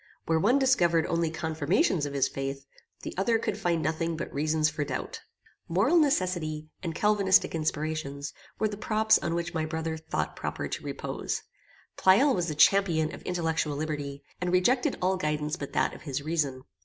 Where one discovered only confirmations of his faith, the other could find nothing but reasons for doubt. Moral necessity, and calvinistic inspiration, were the props on which my brother thought proper to repose. Pleyel was the champion of intellectual liberty, and rejected all guidance but that of his reason.